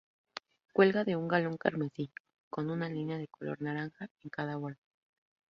Cuelga de un galón carmesí, con una línea de color naranja en cada borde.